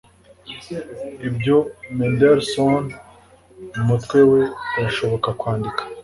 ibyo mendelssohn mumutwe we birashobora kwandika